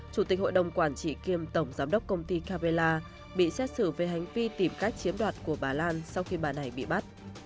chủ tịch hội đồng quản trị kiêm tổng giám đốc công ty capella bị xét xử về hành vi tìm cách chiếm đoạt của bà lan sau khi bà này bị bắt